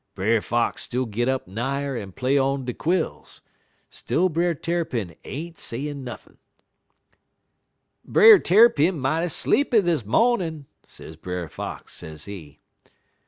Brer Fox still git up nigher en play on de quills; still Brer Tarrypin ain't sayin' nothin'. "'Brer Tarrypin mighty sleepy dis mawnin',' sez Brer Fox, sezee.